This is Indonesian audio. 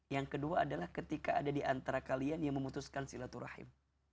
yang kedua adalah ketika ada di antara kalian yang memutuskan silaturahim